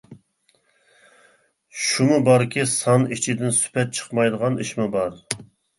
شۇمۇ باركى سان ئىچىدىن سۈپەت چىقمايدىغان ئىشمۇ بار.